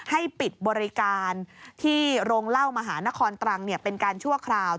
ให้ปิดบริการที่โรงเล่ามหานครตรังเป็นการชั่วคราว